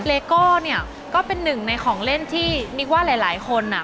เลโก้เนี่ยก็เป็นหนึ่งในของเล่นที่นิกว่าหลายหลายคนอ่ะ